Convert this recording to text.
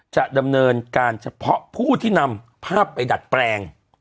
จะดำเนินการเฉพาะผู้ที่นำภาพไปดัดแปลง